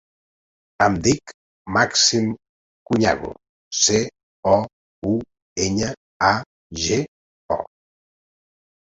Em dic Màxim Couñago: ce, o, u, enya, a, ge, o.